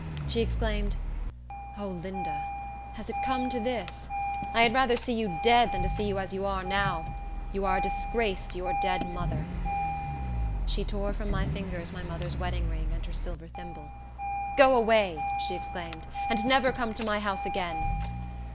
She exclaimed, "O Linda! Has it come to this? I had rather see you dead than to see you as you now are. You are a disgrace to your dead mother." She tore from my fingers my mother's wedding ring and her silver thimble. "Go away!" she exclaimed, "and never come to my house, again."